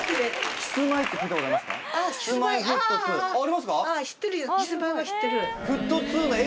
キスマイは知ってる。